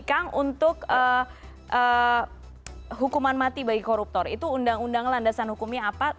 kang untuk hukuman mati bagi koruptor itu undang undang landasan hukumnya apa